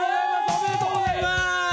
おめでとうございます。